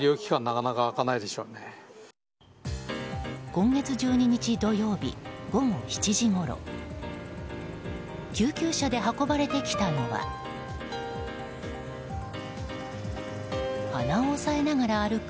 今月１２日、土曜日午後７時ごろ救急車で運ばれてきたのは鼻を押さえながら歩く